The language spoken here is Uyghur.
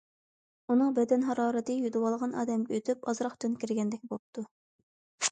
ئۇنىڭ بەدەن ھارارىتى يۈدۈۋالغان ئادەمگە ئۆتۈپ، ئازراق جان كىرگەندەك بوپتۇ.